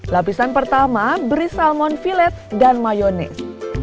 lapisan pertama beri salmon filet dan mayonez